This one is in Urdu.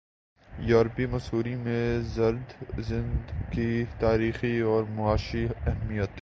یورپی مصوری میں زرد رنگ کی تاریخی اور معاشی اہمیت